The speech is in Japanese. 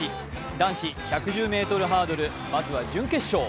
男子１１０ｍハードル、まずは準決勝。